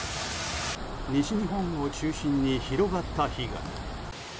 西日本を中心に広がった被害。